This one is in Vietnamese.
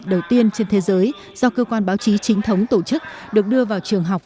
đầu tiên trên thế giới do cơ quan báo chí chính thống tổ chức được đưa vào trường học